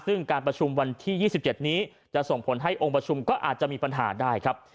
ซึ่งการประชุมวันที่๒๗นี้จะส่งผลให้องค์ประชุมก็อาจจะมีปัญหาได้ครับ